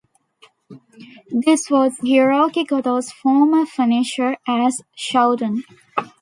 This was Hirooki Goto's former finisher as "Shouten".